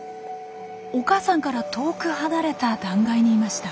お母さんから遠く離れた断崖にいました。